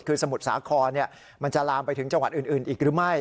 คือสมุทรสาครมันจะลามไปถึงจังหวัดอื่นอีกหรือไม่